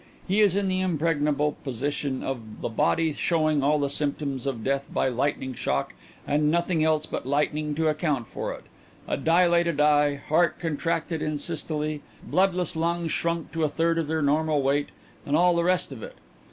He is in the impregnable position of the body showing all the symptoms of death by lightning shock and nothing else but lightning to account for it a dilated eye, heart contracted in systole, bloodless lungs shrunk to a third the normal weight, and all the rest of it.